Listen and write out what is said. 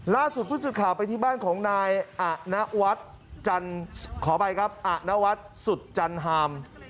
ล่าสุดพูดสุดข่าวไปที่บ้านของนายอาณวัฒน์สุดจันทร์ฮาม